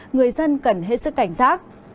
người dân cần hết sức cảnh giác